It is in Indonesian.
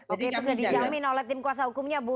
oke itu sudah dijamin oleh tim kuasa hukumnya bu